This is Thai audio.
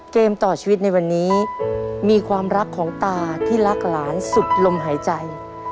เกมต่อชีวิตในวันนี้มีความรักของตาที่รักหลานสุดลมหายใจ